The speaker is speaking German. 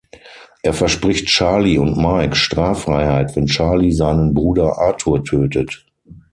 Er verspricht Charlie und Mike Straffreiheit, wenn Charlie seinen Bruder Arthur tötet.